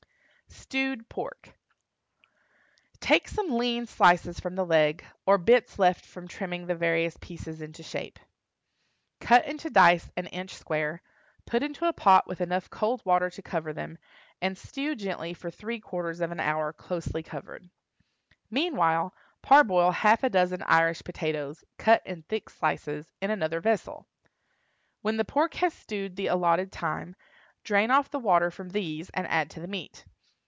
STEWED PORK. Take some lean slices from the leg, or bits left from trimming the various pieces into shape. Cut into dice an inch square, put into a pot with enough cold water to cover them, and stew gently for three quarters of an hour, closely covered. Meanwhile parboil half a dozen Irish potatoes, cut in thick slices, in another vessel. When the pork has stewed the allotted time, drain off the water from these and add to the meat.